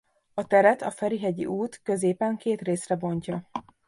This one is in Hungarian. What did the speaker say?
A teret a Ferihegyi út középen két részre bontja.